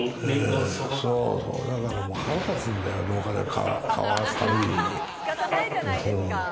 だから腹立つんだよ、廊下で顔を合わすたびに。